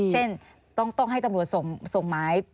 เช่นต้องให้ตำรวจส่งหมาย